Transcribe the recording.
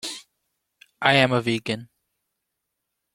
I am a vegan.